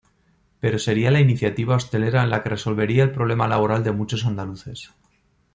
Pero sería la iniciativa hostelera la que resolvería el problema laboral de muchos andaluces.